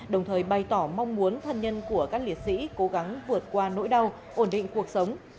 đồng thời bày tỏ mong muốn thân nhân của các liệt sĩ cố gắng vượt qua nỗi đau ổn định cuộc sống